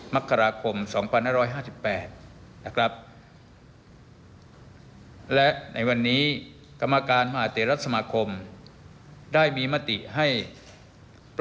มักฆาราคมสองพันห้าร้อยห้าจุดแปดครับ